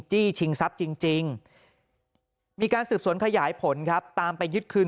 จี้ชิงทรัพย์จริงมีการสืบสวนขยายผลครับตามไปยึดคืน